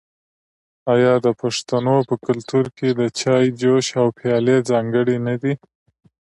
آیا د پښتنو په کلتور کې د چای جوش او پیالې ځانګړي نه دي؟